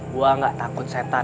gue gak takut setan